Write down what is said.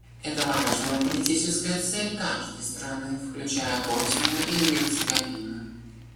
Это важная политическая цель каждой страны, включая Боснию и Герцеговину.